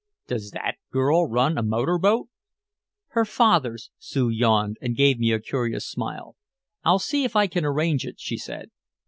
"Does that girl run a motor boat?" "Her father's." Sue yawned and gave me a curious smile. "I'll see if I can't arrange it," she said.